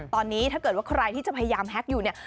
ตอนนี้ถ้าเกิดว่าใครที่จะพยายามแฮ็กอยู่เนี่ย